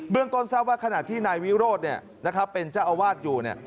ต้นทราบว่าขณะที่นายวิโรธเป็นเจ้าอาวาสอยู่